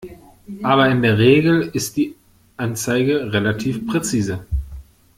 Aber in der Regel ist die Anzeige relativ präzise.